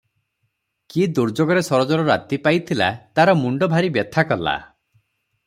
କି ଦୁର୍ଯୋଗରେ ସରୋଜର ରାତି ପାଇଥିଲା ତାର ମୁଣ୍ଡ ଭାରି ବ୍ୟଥା କଲା ।